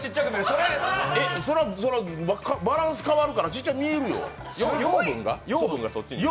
それはバランス変わるから、ちっちゃく見えるよ。